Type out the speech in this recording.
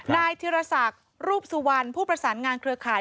นายธิรศักดิ์รูปสุวรรณผู้ประสานงานเครือข่าย